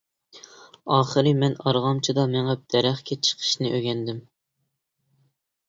ئاخىر مەن ئارغامچىدا مېڭىپ دەرەخكە چىقىشنى ئۆگەندىم.